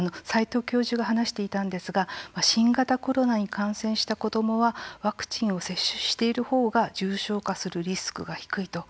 齋藤教授が話していたんですが新型コロナに感染した子どもはワクチンを接種しているほうが重症化するリスクが低いと。